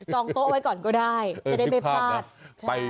จองโต๊ะไว้ก่อนก็ได้